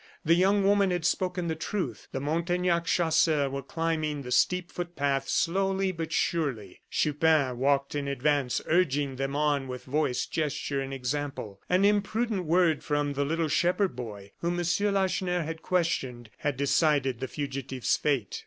The young woman had spoken the truth. The Montaignac chasseurs were climbing the steep foot path slowly, but surely. Chupin walked in advance, urging them on with voice, gesture and example. An imprudent word from the little shepherd boy, whom M. Lacheneur had questioned, had decided the fugitive's fate.